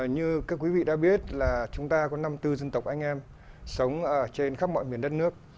như các quý vị đã biết là chúng ta có năm mươi bốn dân tộc anh em sống ở trên khắp mọi miền đất nước